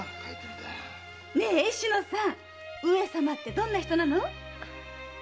ねえ志乃さん上様ってどんな人なの？